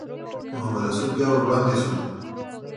محمدرسول بیا ور وړاندې شو.